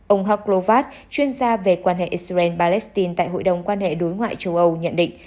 ông hak krovad chuyên gia về quan hệ israel palestine tại hội đồng quan hệ đối ngoại châu âu nhận định